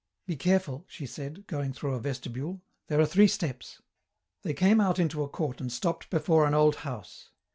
"Be careful," she said, going through a vestibule. "There are three steps." They came out into a court and stopped before an old house.